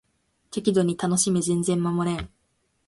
適度に楽しめ全然守れん